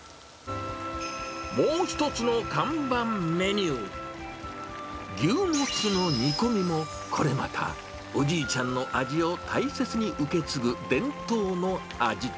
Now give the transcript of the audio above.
もう一つの看板メニュー、牛モツの煮込みも、これまたおじいちゃんの味を大切に受け継ぐ伝統の味。